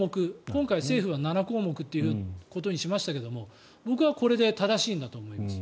今回、政府は７項目ということにしましたが僕はこれで正しいんだと思います。